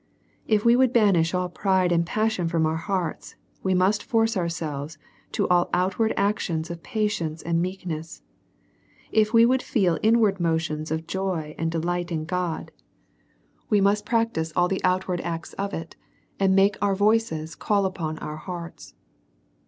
If we would banish all pride and passion from our hearts, we must force ourselves to all outward actions of patience and meekness. If we would feel motions of joy and de light in God ; we must practise all the outward acts of it, and make our voices call upon our hearts.